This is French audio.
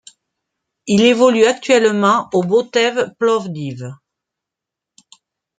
Il évolue actuellement au Botev Plovdiv.